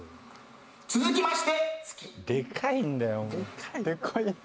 「続きまして。